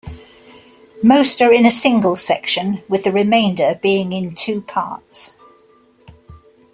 Most are in a single section, with the remainder being in two parts.